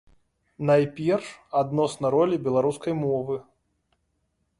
Найперш, адносна ролі беларускай мовы.